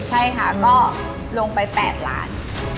ใช่ค่ะก็ลงไป๘ล้าน